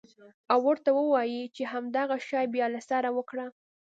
او ورته ووايې چې همدغه شى بيا له سره وکره.